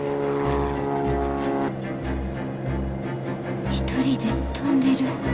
心の声一人で飛んでる。